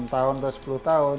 tahun atau sepuluh tahun